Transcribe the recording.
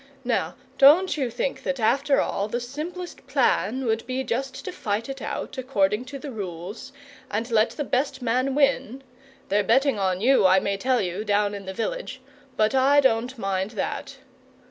Now don't you think that after all the simplest plan would be just to fight it out, according to the rules, and let the best man win? They're betting on you, I may tell you, down in the village, but I don't mind that!"